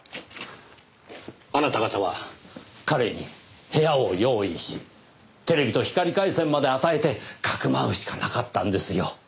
あなた方は彼に部屋を用意しテレビと光回線まで与えてかくまうしかなかったんですよ。